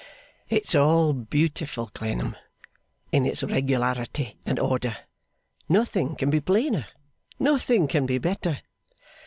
'It's all beautiful, Clennam, in its regularity and order. Nothing can be plainer. Nothing can be better.